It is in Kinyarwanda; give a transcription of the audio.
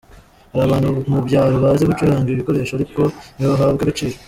Hari abantu mu byaro bazi gucuranga ibi bikoresho ariko ntibahabwa agaciro.